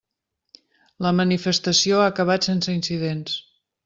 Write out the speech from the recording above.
La manifestació ha acabat sense incidents.